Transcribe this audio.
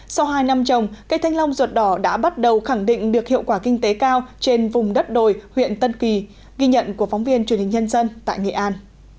sau hai năm trồng cây thanh long ruột đỏ đã bắt đầu khẳng định được hiệu quả kinh tế cao trên vùng đất đồi huyện tân kỳ ghi nhận của phóng viên truyền hình nhân dân tại nghệ an